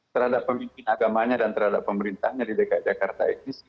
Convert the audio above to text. terhadap pemimpin agamanya dan terhadap pemerintahnya di dki jakarta ini